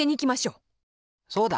そうだ！